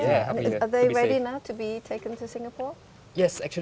tidak ada masalah